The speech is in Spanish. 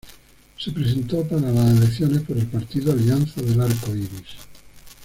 Se presentó para las elecciones con el partido Alianza del Arco Iris.